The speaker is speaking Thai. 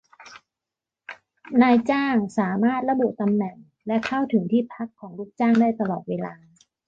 นายจ้างสามารถระบุตำแหน่งและเข้าถึงที่พักของลูกจ้างได้ตลอดเวลา